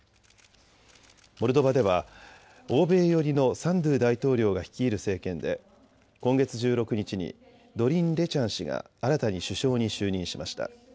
モルドバでは欧米寄りのサンドゥ大統領が率いる政権で今月１６日にドリン・レチャン氏が新たに首相に就任しました。